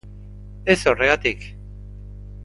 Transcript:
Ez horregatik!